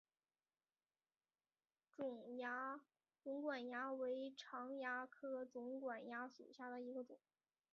肿管蚜为常蚜科肿管蚜属下的一个种。